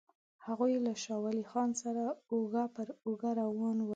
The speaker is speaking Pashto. هغوی له شاه ولي خان سره اوږه پر اوږه روان ول.